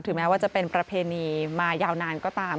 แม้ว่าจะเป็นประเพณีมายาวนานก็ตาม